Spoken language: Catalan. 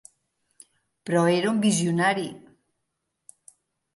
Però era un visionari.